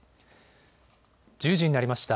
１０時になりました。